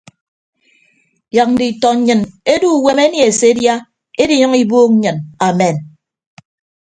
Yak nditọ nnyịn edu uwem enie se edia ediiyʌñ ibuuk nnyịn amen.